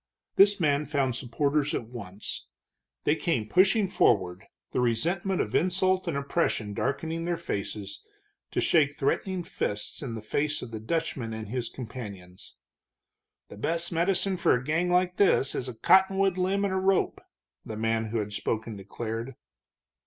This man found supporters at once. They came pushing forward, the resentment of insult and oppression darkening their faces, to shake threatening fists in the faces of the Dutchman and his companions. "The best medicine for a gang like this is a cottonwood limb and a rope," the man who had spoken declared.